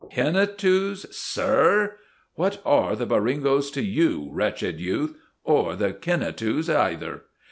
Kinnatoos, sir! What are the Boringos to you, wretched youth—or the Kinnatoos, either?